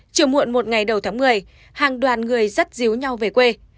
chiều muộn một ngày đầu tháng một mươi hàng đoàn người rất díu nhau về quê